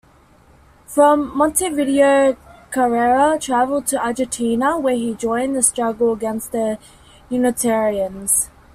From Montevideo Carrera traveled to Argentina where he joined the struggle against the unitarians.